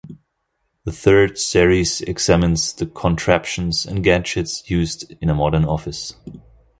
The third series examines the contraptions and gadgets used in a modern office.